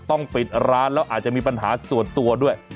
ปิดร้านแล้วอาจจะมีปัญหาส่วนตัวด้วย